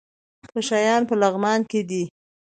پشه یان په لغمان کې دي؟